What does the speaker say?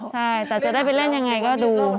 ใช่แต่จะได้ไปเล่นยังไงก็ดู